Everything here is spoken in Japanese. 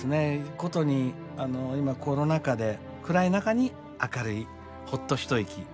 ことに今コロナ禍で暗い中に明るいほっと一息を届けるようなね